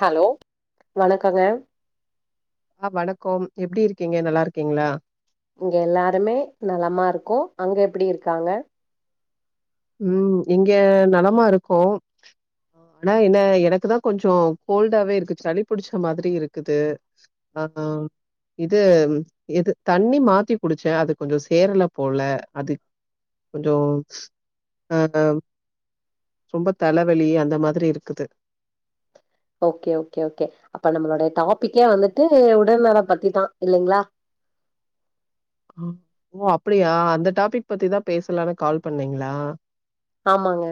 Hello வணக்கங்க ஆஹ் வணக்கம் எப்படி இருக்கீங்க நல்லா இருக்கீங்களா இங்க எல்லாருமே நலமா இருக்கோ அங்க எப்படி இருக்காங்க உம் இங்க நலமா இருக்கோம் ஆனா என்ன எனக்குதான் கொஞ்சம் கோல்டாவே இருக்கு சளி புடிச்ச மாதிரி இருக்குது ஆஹ் இது எது தண்ணி மாத்தி குடிச்சேன் அது கொஞ்சம் சேரலை போல அது கொஞ்சம் அஹ் ரொம்ப தலைவலி அந்த மாதிரி இருக்குது ஓகே ஓகே ஓகே அப்ப நம்மளோடைய டாபிக்கே வந்துட்டு உடல்நலம் பத்திதான் இல்லைங்களா ஆ, ஓ அப்படியா அந்த டாபிக் பத்திதான் பேசலான்னு கால் பண்ணீங்களா ஆமாங்க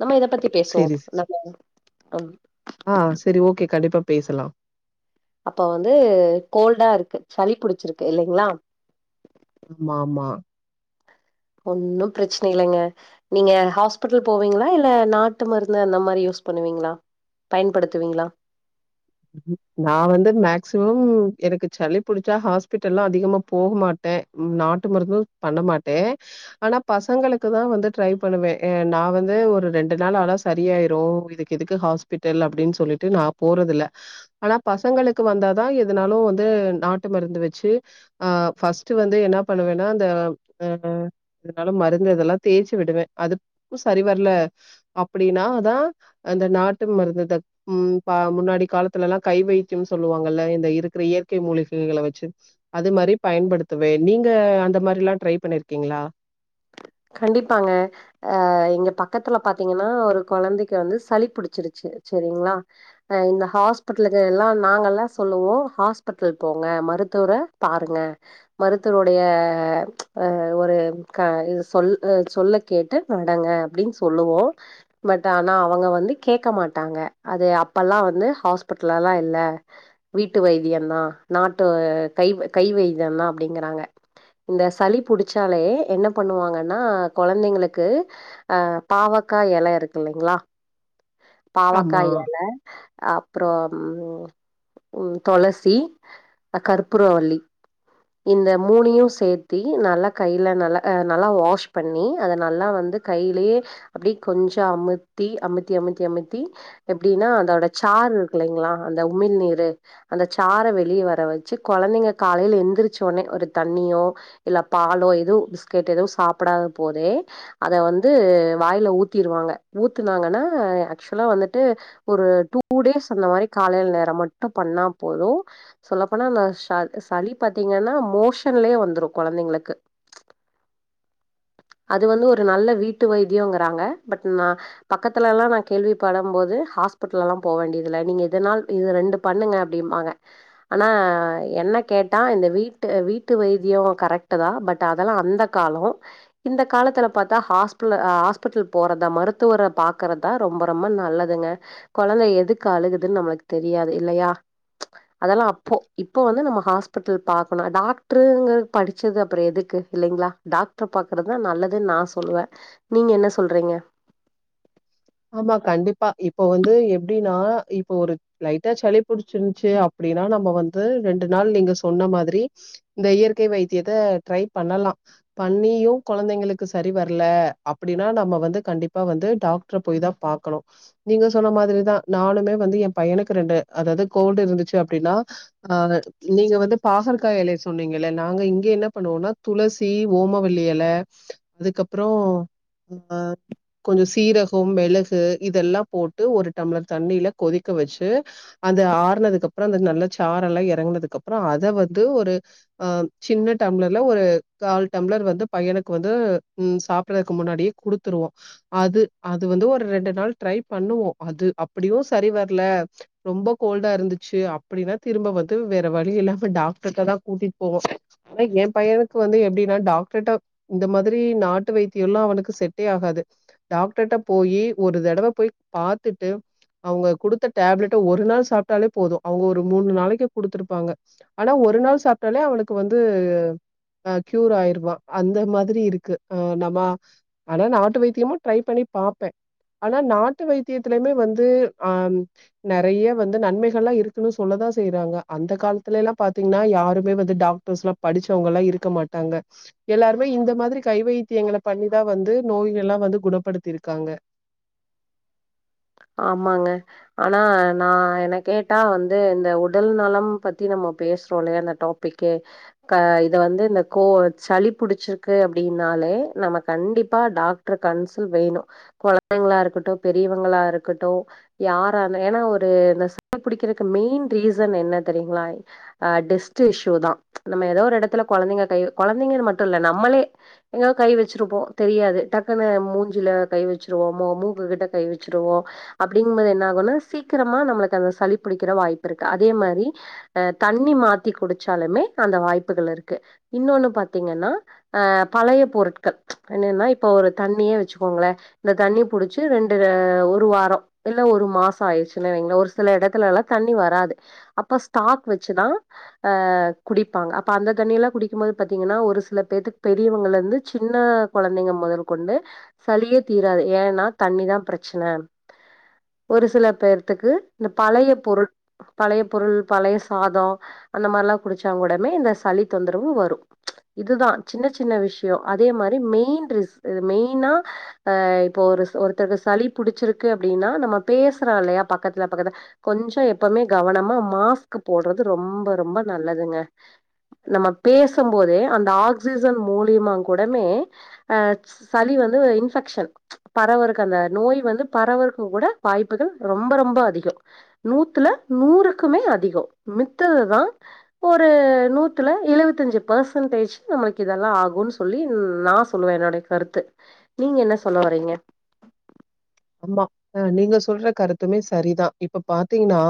நம்ம இதை பத்தி சரி. பேசுவோம் சரி. ஆ சரி ஓகே. கண்டிப்பா பேசலாம் அப்ப வந்து கோல்டா இருக்கு சளி புடிச்சிருக்கு இல்லைங்களா ஆமா ஆமா ஒன்னும் பிரச்சனை இல்லங்க நீங்க ஹாஸ்பிட்டல் போவீங்களா இல்ல நாட்டு மருந்து அந்த மாரி யூஸ் பண்ணுவீங்களா பயன்படுத்துவீங்களா நான வந்து மேக்சிமம் எனக்கு சளி புடிச்சா ஹாஸ்பிட்டல்ல்லாம் அதிகமா போக மாட்டேன் நாட்டு மருந்தும் பண்ண மாட்டேன் ஆனா பசங்களுக்கு தான் வந்து ட்ரை பண்ணுவேன் நான வந்து ஒரு ரெண்டு நாள் ஆாளா சரியாயிரும் இதுக்கு எதுக்கு ஹாஸ்பிட்டல் அப்டின்னு சொல்லிட்டு நான போறது இல ஆனா பசங்களுக்கு வந்தாதான் எனாலும் வந்து நாட்டு மருந்து வச்சு ஆ பஃபர்ஸ்ட்ட் வந்து என்ன பண்ணுவேன்னா அந்த ஆ இதனால மருந்து இதெல்லாம் தேய்ச்சு விடுவேன் அது சரி வரல அப்டின்னா தான் அந்த நாட்டு மருந்துத உ முன்னாடி காலத்து த்துல எல்லாம் கை வைத்தியம்னு சொல்லுவாங்கல்ல இந்த இருக்கிற இயற்கை மூலிகைகளை வச்சு அது மாரி பயன்படுத்துவேன் நீங்க அந்த மாரி எல்லாம் டரை பண்ணிருக்கீங்களா கண்டிப்பாங்க அ எங்க பக்கத்துல பாத்தீங்கன்னா ஒரு குழந்தைக்கு வந்து சளி புடிச்சிருச்சு சரிங்களா அ இந்த ஹாஸ்பிட்டலுக்கு எல்லாம் நாங்க எல்லாம் சொல்லுவோம் ஹாஸ்பிட்டல் போங்க மருத்துவர பாருங்க மருத்துவருடய அ ஒரு சொல்ல கேட்டு நடங்க அப்படனு சொல்லுவோம் பட் ஆனா அவங்க வந்து கேட்க மாட்டாங்க அது அப்ல்லாம் வந்து ஹாஸ்பிட்டலல்லாம் இல வீட்டு வைத்தியம் தான் நாட்டு கை கை வைத்தியம் தான் அப்டிங்கறாங்க இந்த சளி புடிச்சாலே என்ன பண்ணுவாங்க ன்னா குழந்தைங்களுக்கு அ பாவக்கா இல இருக்கு இல்லங்களா ஆமா பாவக்காய் இல அப்பறம் உ உ துளசி கற்பூர வல்லி இந்த மூணையும் சேர்த்தி நல்லா கில நல்லா நல்லா வாஷ் பண்ணி அத நல்லா வந்து கையிலயே அப்டிய கொஞ்சம் அமுத்தி அமுத்தி அத்தி த்தி எப்டின்னா அதோட சாறு இருக்கு இல்லங்களா அந்த உமிழ் நீரு அந்த சற வெளிய வர வச்சு குழந்தைங்க காலையில எந்திரிச்ச உனே ஒரு தண்ணியோ இல்ல பாலோ எதவும் பிஸ்கெட் எதவும் சாப்படாத போதே அத வந்து வாயில ஊத்திருவாங்க ஊத்தனாங்கன்னா க்சுவால வந்துட்டு ஒரு டூ டேஸ் அந்த மாரி காலையில நேரம் மட்டும் பண்ணா போதும் சொல்ல போனா அந்த ச சளி பாத்தீங்கன்னா மோஷன்லே வந்துரும் குழந்தைங்களுக்கு அது வந்து ஒரு நல்ல வீட்டு வைத்தியம்ங்கறாங்க பட் நான பக்கத்துல எல்லாம் ந கேள்விப்படும் போது ஹாஸ்பிடல் எல்லாம் போ வேண்டியதுல நீங்க எனால் இது ரெண்டு பண்ணுங்க அப்டிாங்க ஆனா என்ன கேட்டா இந்த வீட்டு வீட்டு வைத்தியம் கரெக்ட் தான் பட் அதெல்லாம் அந்த காலம் இந்த காலத்துல பாத்தா ஹாஸ்பிடல் போறத மருத்துவரை பா்கறத ரொம்ப ரொம்ப நல்லதுங்க குழந்தை எதுக்கு அழுகுதுன்னு நம்மளுக்கு தெரியாது இல்லயா அதெல்லாம் அப்போ இப்போ வந்து நம்ம ஹாஸ்பிட்டல் பாக்கணும் டாக்டருங்க படிச்சது அப்பறம் எதுக்கு இல்லங்களா டாக்டர் பாக்குறதுதான் நல்லதுன்னு நான சொல்லுவேன் நீங்க என்ன சொல்றீங்க ஆமா கண்டிப்பா இப்ப வந்து எப்டினா இப்போ ஒரு லைட்டா சளி புடிச்சிருச்சு அப்டின்னா நம்ம வந்து ரெண்டு நாள் நீங்க சொன்ன மாரி இந்த இயற்கை வைத்தியத்த ட்ரை பண்ணலாம் பண்ணியும் குழந்தைங்களுக்கு சரி வரல அப்டின்னா நம்ம வந்து கண்டிப்பா வந்துட போய்தா பாக்கன்ணும் நீங்க சொன்ன மாரிதான் நானுமே வந்து என் பையனுக்கு ரெண்டு அதாவது கோல்டு இருந்துச்சு அப்டின்னாஹ நீங்க வந்து பாகற்காய இல சொன்னீங்க நாங்க இங்க என்ன பண்ணுவோம்னா துளசி ஓமவல்லி இல அதுக்கப்பறம் கொஞ்சம் சீரகம் மிளகு இதெல்லாம் போட்டு ஒரு டம்ளர் தண்ணியில கொதிக்க வச்சு அந்த ஆறுனதுக்கு அப்பறம் அந்த நல்ல சாரம் எல்லாம் இறங்கினதுக்கு அப்புறம் அதை வந்து ஒரு ஆஹ் சின்ன டம்ளர்ல ஒரு கால் டம்ளர் வந்து பையனுக்கு வந்து உஹ சாப்படுறதுக்கு முன்னாடியே குடுத்துருவோம் அது அது வந்து ஒரு ரெண்டு நாள் ட்ரை பண்ணுவோம் அது அப்டியும் செரி வரல ரொம்ப கோல்டா இருந்துச்சு அப்டின்னா திரும்ப வந்து வேற வழி இல்லாம டாக்டர்க்ட தான் கூட்டிட்டு போவோம் ஆனா என் பையனுக்கு வந்து எப்டின்னா டாக்டர்ட இந்த மாரி நாட்டு வைத்தியம்ல்லாம் அவனுக்கு செட்டே ஆகாது டாக டாக்டர்ட்ட போய் ஒரு தடவ போய் பாத்தட்டு அவங்க கொடுத்த டேப்லெட்ட ஒரு நாள் சாப்பட்டாலே போதும் அவங்க ஒரு மூணு நாளைக்கு குடுத்துருப்பாங்க ஆனா ஒரு நாள் சாப்பட்டாலே அவளுக்கு வந்து கூர் ஆயிருவான் அந்த மாரி இருக்கு நம்ம ஆனா நாட்டு வைத்தியமும் ட்ரை பண்ணி பாப்பேன் ஆனா நாட்டு வைத்தியத்திலயுமே வந்து அ நெறைய வந்து நன்மைகள்லாம் இருக்கு சொல்லதான் செய்யறாங்க அந்த காலத்துல எல்லாம் பாத்தீங்கன்னா யாருமே வந்து டர்ஸ்ம் படிச்சவங்க எல்லாம் இருக்க மாட்டாங்க எல்லாருமே இந்த மாரி கைவைத்தியங்களை பண்ணிதான் வந்து நோய்கள் எல்லாம் வந்து குணப்படுத்த த்திருக்காங்க ஆமாங்க ஆனா நான் என்ன கேட்டா வந்து இந்த உடல் நலம் பத்தி நம்ம பேசுறோம்லையே அந்த டாபிக்கு இத வந்து இந்த கோ சளி புடிச்சிருக்கு அப்படின்னாலே நம்ம கண்டிப்பா டாக்டர் கன்சல் வேணும் கெழந்தைங்களா இருக்கட்டும் பெரியவங்க பெரியவங்களா இருக்கட்டும் யார ஏன்னா ஒரு சிகரெட் படிக்கெ மெயின் ரீசன் என்ன தெரியுங்களா டெஸ்ட் இஷூ ந ஏதோ ஒரு இடத்துல குழந்தைங்க குழந்தைங்க மட்டும் இல்ல நம்மளே எ கை வச்சிருப்போம் தெரியாது டக்குன்ன மூஞ்சில கை வச்சிருவோம் மூக்கு கிட்ட கை வச து என்ன சீக்கிரமா ந சளிடிக்க வாய்ப்பு இருக்கு அதே மா ரி தண்ணி மாத்தி குடிச்சாலுமே அந்த வாய்ப்புகள் இருக்கு இன்னொன்னு பாத்தீங்கன்னா பழைய பொருட்கள் என்னன்ன இ தண்ண வச்சுக்கோங்கள இந்த தண்ணி புடிச்ச ரெண்டு ஒரு வாரம் இல்ல ஒரு மாசம் ஆயிடுச்சுன்ன ஒரு சில இடத்துல எல்லாம் தண்ணி வராது அப்ப ஸ்டாக் வச்சுதான்ஹ குடிப்பாங்க அப்ப அந்த தண்ணி எல்லாம் குடிக்கும் போது பாத்தீங்கன்னா ஒரு சில பேத்துக்கு பெரியவங்க இருந்து சின்ன கெழந்தைங்க முதல் கொண்டு சளியே தீராது ஏன்னா தண்ணி தான் பிரச்சனை ஒரு சில பேர்த்தக்கு இந்த பழைய பொருள் பழைய பொருள் பழைய சாதம் அந்த மாரில்லாம் குடிச்சா கூடமே இந்த சளி தொந்தரவு வரும் இதுதான் சின்ன சின்ன விஷயம் அதே மாரி மெயின்னா இப்போ ஒரு ஒருத்தக்கு சளி புடிச்சிருக்கு அப்டின்னா நம்ம பேசுறோம் இல்லயா பக்கத்துல பக்கத்துல கொஞ்சம் எப்வுமே கவனமா மாஸ்க் போடுறது ரொம்ப ரொம்ப நல்லதுங்க நம்ம பேசும் போதே அந்த ஆக்சிஜன் மூலியமா கூடமே அ சளி வந்து இன்பெக்ஷன் பரவறக்கு அந்த நோய் வந்து பறவக்கும் கூட வாய்ப்புகள் ரொம்ப ரொம்ப அதிகம் நூத்துல நூறுக்குமே அதிகம் மித்ததுதான் ஒரு நூத்துல எழுவத்தஞ்சு பர்சன்டேஜ் நம்மளுக்கு இதெல்லாம் ஆகும்ன்னு சொல்லி நான் சொல்லுவேன் என்னனுடைய கருத்து நீங்க என்ன சொல்ல வரீங்க ஆமாஹ் நீங்க சொல்ற கருத்துமே சரிதான் இப்ப பாத்தீங்கன்னா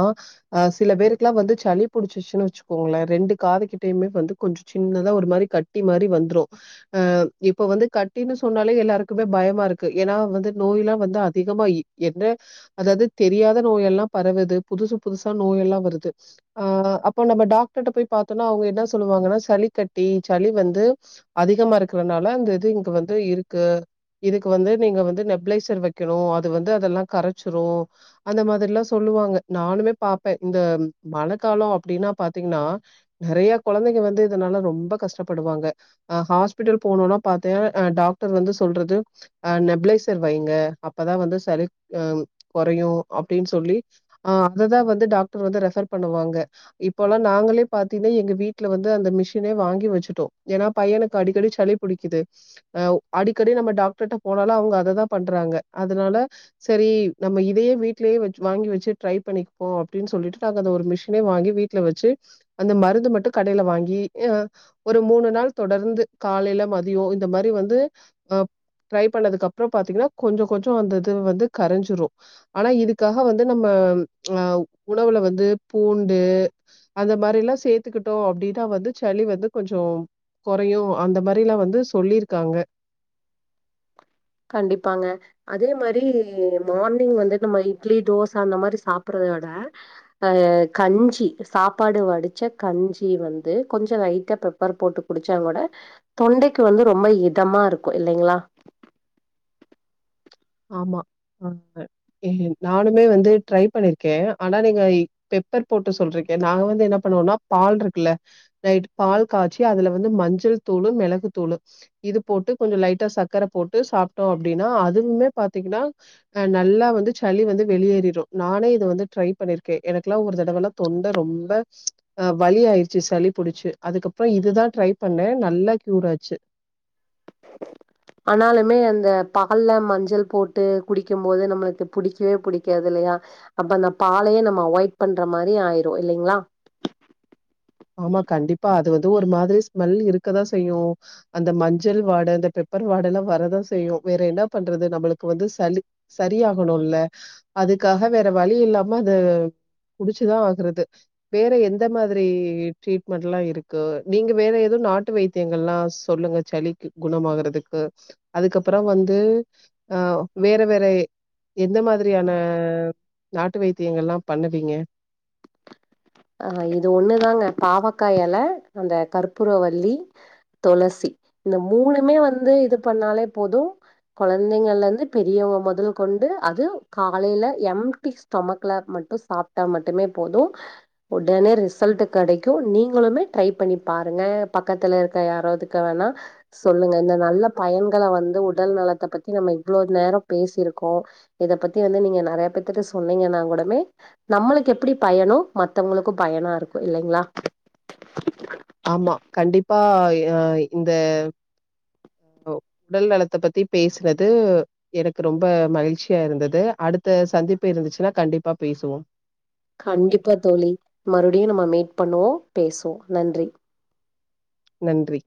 அஹ் சில பேருக்குெல்லாம் வந்து சளி பிடிச்சிருச்சு வச்சுக்கோங்களேன் ரெண்டு காது கிட்டுமே வந்து கொஞ்சம் சின்னதா ஒரு மாதிரி கட்டி மாதிரி வந்துரும் ஆஹ் இப்ப வந்து கட்டினு சொன்னாலே எல்லாருக்குமே பயமா இருக்கு ஏன்னா வந்து நோய் எல்லாம் வந்து அதிகமா என்ன அதாவது தெரியாத நோய் எல்லாம் பரவுது புதுசு புதுசா நோய் எல்லாம் வருது ஆ அப்ப நம்ம டாக்டர்ட்ட போய் பா்த்தோம்னா அவங்க என்ன சொல்லுவாங்கன்னா சளி கட்டி சளி வந்து அதிகமா இருக்கறனால அந்த இது இங்க வந்து இருக்கு இதுக்கு வந்து நீங்க வந்து நெப்ளைசர் வைக்கணும் அது வந்து அதெல்லாம் கரைச்சிரும் அந்த மாரிலாம் சொல்லுவாங்க நானுமே பாபப்பேன் இந்த மழை காாலம் அப்டின்னா பாத்தீங்கன்னா நெறைய குழந்தைங்க வந்து இதனால ரொம்ப கஷ்டப்படுவாங்க அஹ் ஹாஸ்பிட்டல் போனும்னா பாத்தேங்க் டாக்டர் வந்து சொல்றது அஹ நெப்ளைசர் வைங்க அப்பதான் வந்து சளி ம் குறையும் அப்டின்னு சொல்லி ஆ அததான் வந்து டாக்டர் வந்து ரெஃபர் பண்ணுவாங்க இப்பல்லாம் நாங்களே பாத்தீங்கன்னா எங்க வீட்டுல வந்து அந்த மிஷினே வாங்கி வச்சுட்டோம் ஏன்னா பையனுக்கு அடிக்கடி சளி பிடிக்குது அஹ் அடிக்கடி நம்ம டாக்டர்ட போனாலும் அவங்க அதைதான் பண்றாங்க அதனால செரி நம்ம இதயே வீடலயே வாங்கி வச்சு ட்ரை பண்ணிக்குப்போம் அப்டின்னு சொல்லிட்டு நாங்க அந்த ஒரு மிஷினே வாங்கி வீட்டுல வச்சு அந்த மருந்து மட்டும் கடில வாங்கிஹ ஒரு மூணு நாள் தொடர்ந்து காலையில மதியம் இந்த மாரி வந்து அஹ ட்ரை பண்ணதுக்கப்பறம் பாத்தீங்கன்னா கொஞ்சம் கொஞ்சம் அந்த இது வந்து கரைஞ்சிரும் ஆனா இதுக்காக வந்து நம்ம ஆ உணவுல வந்து பூண்டு அந்த மாரில்லாம் சேர்த்துக்கிட்டோம் அப்டின்னா வந்து சளி வந்து கொஞ்சம் குறையும் அந்த மாரிலாம் வந்து சொல்லிருக்காங்க கண்டிப்பாங்க அதே மாரி மார்னிங் வந்து நம்ம இட்லி தோசா அந்த மாரி சாப்படுறதோட அஹ் கஞ்சி சாப்பாடு வடிச்ச கஞ்சி வந்து கொஞ்சம் லைட்டா பெப்பர் போட்டு குடிச்சாங்க கூட தொண்டைக்கு வந்து ரொம்ப இதமா இருக்கும் இல்லங்களா ஆமா அ நானுமே வந்து ட்ரை பண்ணிருக்கேன் ஆனா நீங்க பெப்பர் போட்டு சொல்றீக்கேன் நாங்க வந்து என்ன பண்ணுவோம்னா பால் இருக்குல்ல நைட் பால் காய்ச்சி அதுல வந்து மஞ்சள் தூளு மிளகு தூளு இது போட்டு கொஞ்சம் லைட்டா சர்க்கர போட்டு சாப்பட்டோம் அப்டின்னா அதுவுமே பாத்தீங்கன்னா அ நல்லா வந்து சளி வந்து வெளியேறிரும் நானே இதை வந்து ட்ரை பண்ணிருக்கேன் எனக்குல்லாம் ஒரு தடவைெல்லாம் தொண்டை ரொம்ப அஹ் வலி ஆயிடுச்சு சளி புடிச்சு அதுக்கப்புறம் இதுதான் ட்ரை பண்ணேன் நல்லா கியூர் ஆச்சு ஆனாலுமே அந்த பால் மஞ்சள் போட்டு குடிக்கும் போது நம்மளுக்கு புடிக்கவே புடிக்காது இல்லயா அப்ப அந்த பாலையே நம்ம அவாய்ட் பண்ற மாரி ஆயிரும் இல்லங்களா ஆமா கண்டிப்பா அது வந்து ஒரு மாரி ஸ்மெல் இருக்கதான் செய்யும் அந்த மஞ்சள் வாட அந்த பெப்பர் வாட எல்லாம் வரதான் செய்யும் வேற என்ன பண்றது நம்மளுக்கு வந்து சளி சரியாகணும்ல்ல அதுக்காக வேற வழி இல்லாம அது குடிச்சுதான் ஆகுறது வேற எந்த மாரி ட்ரீட்மெண்ட் எல்லாம் இருக்கு நீங்க வேற எதவும் நாட்டு வைத்தியங்கள் எல்லாம் சொல்லுங்க சளிக்கு குண ஆறதுக்கு அதுக்கப்பறம் வந்து ஆஹ் வேற வேற எந்த மாரியான நாட்டு வைத்தியங்கள் எல்லாம் பண்ணுவீங்க அ இது ஒண்ணுதாங்க பாவக்கா இல அந்த கற்பூர வல்லி துளசி இந்த மூணுமே வந்து இது பண்ணாலே போதும் கெழந்தைங்கள்ல இருந்து பெரியவங்க முதல் கொண்டு அது காலையில எம்டி ஸ்டொமக்ல மட்டும் சாப்டா மட்டுமே போதும் உடனே ரிசல்ட் கெடைக்கும் நீங்களுமே ட்ரை பண்ணி பாருங்க பக்கத்துல இருக்க யாராவதுக்கு வேணா சொல்லுங்க இந்த நல்ல பயன்களை வந்து உடல் நலத்தை பத்தி நம்ம இவ்வளோ நேரம் பேசியிருக்கோம் இத பத்தி வந்து நீங்க நெறைய பேத்துட்ட சொன்னீங்கன்னா கூடமே நம்மளுக்கு எப்டி பயனோ மத்த வங்கக்கும் பயனா இருக்கும் இல்லங்களா ஆமா கண்டிப்பா அ இந்த உடல் நலத்தை பத்தி பேசுனது எனக்கு ரொம்ப மகிழ்ச்சியா இருந்தது அடுத்த சந்திப்பு இருந்துச்சுன்னா கண்டிப்பா பேசுவோம் கண்டிப்பா தோழி மறுபடியும் நம்ம மீட் பண்ணுவோம் பேசுவோம் நன்றி நன்றி